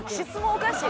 おかしい。